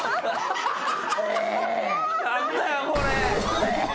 何だよこれ。